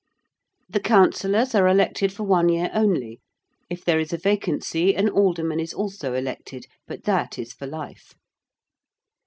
The Councillors are elected for one year only. If there is a vacancy an Alderman is also elected, but that is for life.